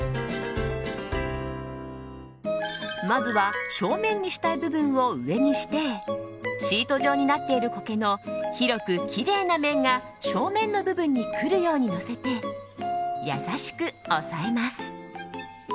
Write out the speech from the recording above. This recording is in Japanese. まずは正面にしたい部分を上にしてシート状になっている苔の広くきれいな面が正面の部分に来るようにのせて優しく押さえます。